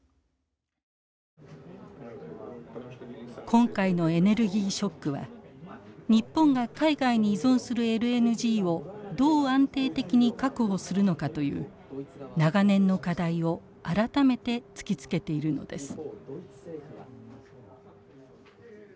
今回のエネルギーショックは日本が海外に依存するＬＮＧをどう安定的に確保するのかという長年の課題を改めて突きつけているのです。